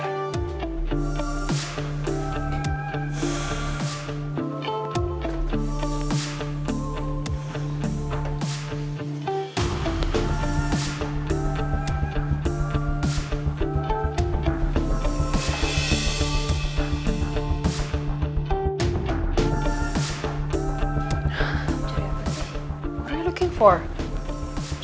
apa yang kau cari